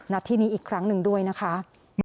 ที่นี้อีกครั้งหนึ่งด้วยนะคะ